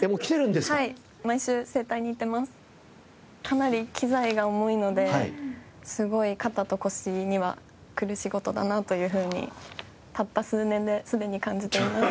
かなり機材が重いのですごい肩と腰にはくる仕事だなというふうにたった数年ですでに感じています。